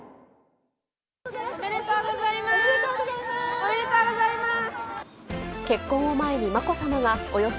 おめでとうございます。